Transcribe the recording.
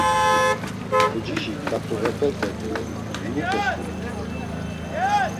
Pucişi ǩat̆uğepete do lute sǩudurt̆ey.